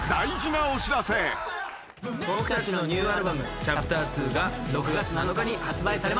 僕たちのニューアルバム『ＣｈａｐｔｅｒⅡ』が６月７日に発売されました。